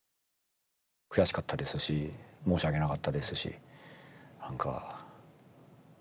悔しかったですし申し訳なかったですし何か。